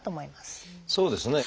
そうですね。